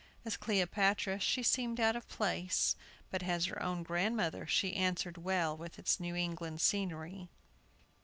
As Cleopatra she seemed out of place, but as her own grandmother she answered well with its New England scenery.